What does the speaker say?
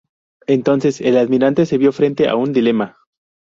Entonces, el almirante se vio frente a un dilema.